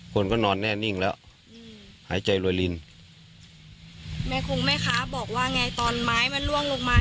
คนก็นอนแน่นิ่งแล้วหายใจรวยลินแม่คงแม่ค้าบอกว่าไงตอนไม้มันล่วงลงมา